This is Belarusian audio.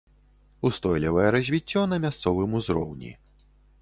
Устойлівае развіццё на мясцовым узроўні.